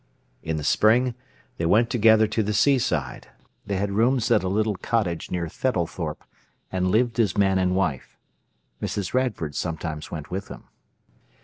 In the spring they went together to the seaside. They had rooms at a little cottage near Theddlethorpe, and lived as man and wife. Mrs. Radford sometimes went with them.